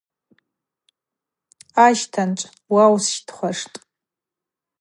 Ащтанчӏв: Уаусщтхуаштӏ.